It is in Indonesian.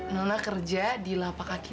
nona kerja di lapakaki lima